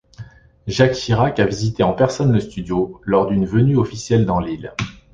Jacques Chirac a visité en personne le studio lors d'une venue officielle dans l'île.